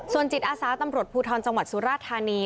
ส่วนจิตอาสาตำรวจภูทรจังหวัดสุราธานี